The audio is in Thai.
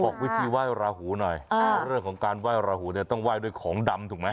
วิธีไหว้ราหูหน่อยเรื่องของการไหว้ราหูเนี่ยต้องไห้ด้วยของดำถูกไหม